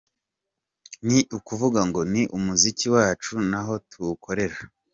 Ni ukuvuga ngo ni umuziki wacu n’aho tuwukorera.